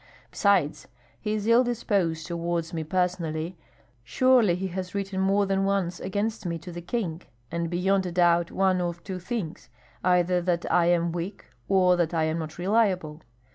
Besides, he is ill disposed toward me personally. Surely he has written more than once against me to the king, and beyond a doubt one of two things, either that I am weak, or that I am not reliable.